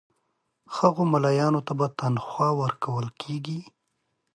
هغو مُلایانو ته به تنخوا ورکوله کیږي.